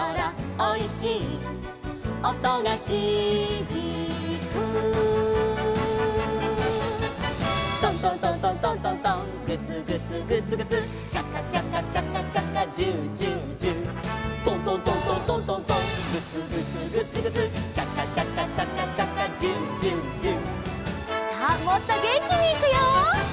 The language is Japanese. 「おいしいおとがひびく」「トントントントントントントン」「グツグツグツグツシャカシャカシャカシャカ」「ジュージュージュー」「トントントントントントントン」「グツグツグツグツシャカシャカシャカシャカ」「ジュージュージュー」さあもっとげんきにいくよ！